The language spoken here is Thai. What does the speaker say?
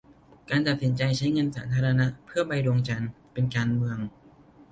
การตัดสินใจใช้เงินสาธารณะเพื่อไปดวงจันทร์ เป็นการเมือง